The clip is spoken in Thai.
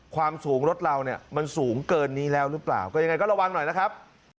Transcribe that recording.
ความสูงรถเราเนี่ยมันสูงเกินนี้แล้วหรือเปล่าก็ยังไงก็ระวังหน่อยนะครับ